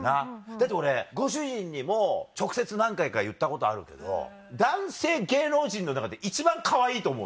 だって俺ご主人にも直接何回か言ったことあるけど男性芸能人の中で一番かわいいと思うのよ。